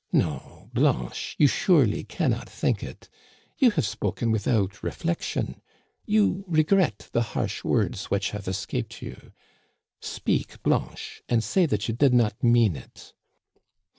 No, Blanche, you surely can not think it ; you have spoken without reflection; you regret the harsh words which have escaped you. Speak, Blanche, and say that you did not mean it."